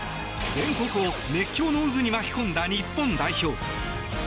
全国を熱狂の渦に巻き込んだ日本代表。